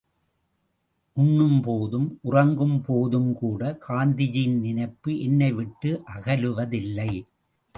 உண்ணும்போதும், உறங்கும்போதும்கூட காந்திஜியின் நினைப்பு என்னை விட்டு அகலுவதில்லை.